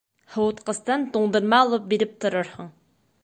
Һыуытҡыстан туңдырма алып биреп торорһоң.